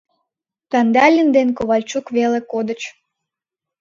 Кандалин ден Ковальчук веле кодыч.